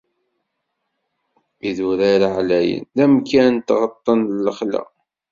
Idurar ɛlayen, d amkan n tɣeṭṭen n lexla.